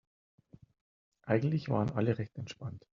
Eigentlich waren alle recht entspannt.